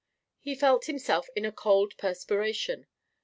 He felt himself in a cold perspiration.